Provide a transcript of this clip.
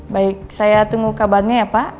baik saya tunggu kabarnya ya pak